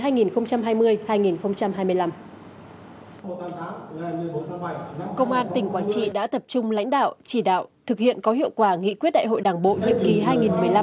công an tỉnh quảng trị đã tập trung lãnh đạo chỉ đạo thực hiện có hiệu quả nghị quyết đại hội đảng bộ nhiệm kỳ hai nghìn hai mươi hai nghìn hai mươi năm